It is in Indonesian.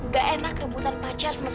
gak enak rebutan pacar semes